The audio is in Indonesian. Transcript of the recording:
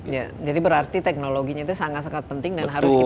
jadi berarti teknologinya itu sangat sangat penting dan harus kita miliki